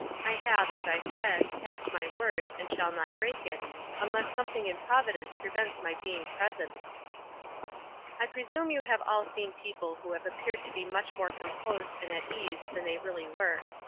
I have, as I said, passed my word, and shall not break it, unles9 something in Providence prevents my being present." I presume you have all seen people who ap peared to be much more composed and at ease than they really were.